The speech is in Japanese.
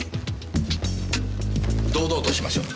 堂々としましょう。